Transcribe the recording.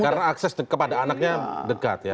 karena akses kepada anaknya dekat ya